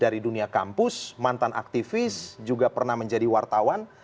dari dunia kampus mantan aktivis juga pernah menjadi wartawan